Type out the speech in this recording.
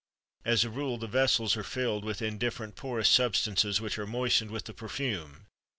As a rule the vessels are filled with indifferent porous substances which are moistened with the perfume.